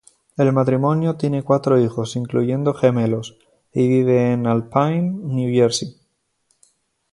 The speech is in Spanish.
El matrimonio tiene cuatro hijos, incluyendo gemelos, y viven en Alpine, New Jersey.